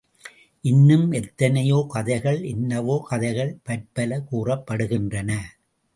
இன்னும் எத்தனையோ கதைகள் என்னவோ கதைகள் பற்பல கூறப்படுகின்றன.